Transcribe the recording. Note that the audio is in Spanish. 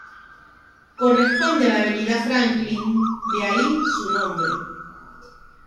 Corresponde a la Avenida Franklin, de ahí su nombre.